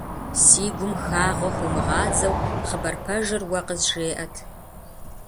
Си гум хагъуэ хыумыгъадзэу хъыбар пэжыр уэ къызжеӀэт.